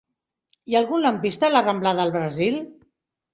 Hi ha algun lampista a la rambla del Brasil?